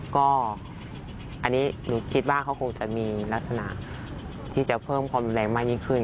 ก็อันนี้หนูคิดว่าเขาคงจะมีลักษณะที่จะเพิ่มความรุนแรงมากยิ่งขึ้น